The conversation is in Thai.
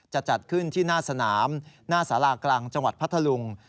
จะจัดขึ้นที่หน้าสนามหน้าสารากลางจังหวัดพัทธลุง